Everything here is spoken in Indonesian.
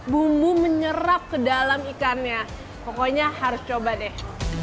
bumbu menyerap ke dalam ikannya pokoknya harus coba deh